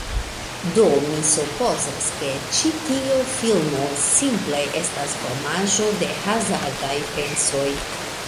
Do mi supozas, ke ĉi tio filmo simple estas vomaĵo de hazardaj pensoj.